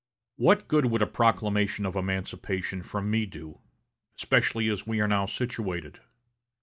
What good would a proclamation of emancipation from me do, especially as we are now situated?